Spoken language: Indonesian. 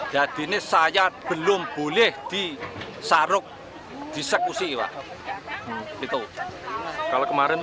jadi ini saya belum boleh disaruk di eksekusi